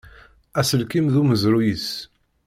Aselkim d umezruy-is.